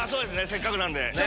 せっかくなんで。